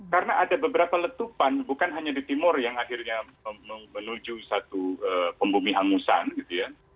karena ada beberapa letupan bukan hanya di timur yang akhirnya menuju satu pembumi hangusan gitu ya